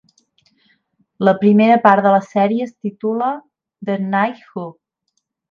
La primera part de la sèrie es titula "The Knight Who".